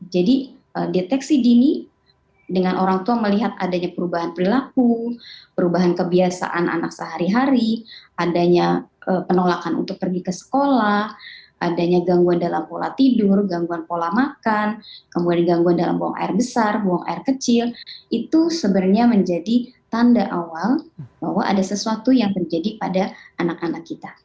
jadi deteksi dini dengan orang tua melihat adanya perubahan perilaku perubahan kebiasaan anak sehari hari adanya penolakan untuk pergi ke sekolah adanya gangguan dalam pola tidur gangguan pola makan kemudian gangguan dalam buang air besar buang air kecil itu sebenarnya menjadi tanda awal bahwa ada sesuatu yang terjadi pada anak anak kita